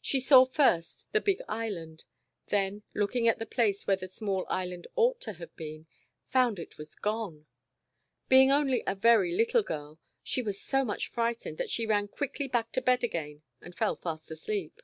She saw first the big Island, then looking at the place where the small Island ought to have been, found it was gone ! Being only a very little girl, she was so much frightened that she ran quickly back to bed again, and fell fast asleep.